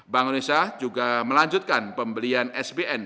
bank indonesia juga melanjutkan pembelian sbn